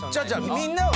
みんなは。